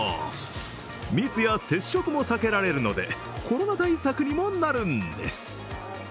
密や接触も避けられるのでコロナ対策にもなるんです。